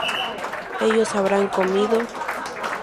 ellos habrán comido